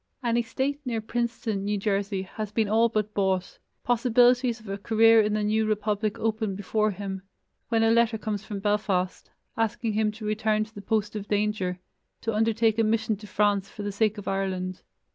An estate near Princeton, New Jersey, has been all but bought, possibilities of a career in the new republic open before him, when a letter comes from Belfast, asking him to return to the post of danger, to undertake a mission to France for the sake of Ireland.